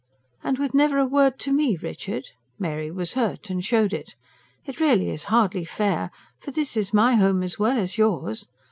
"And with never a word to me, Richard?" Mary was hurt; and showed it. "It really is hardly fair. For this is my home as well as yours.